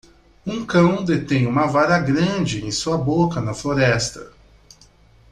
Um cão detém uma vara grande em sua boca na floresta.